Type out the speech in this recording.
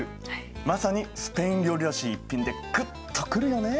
まさにスペイン料理らしい一品でグッとくるよね。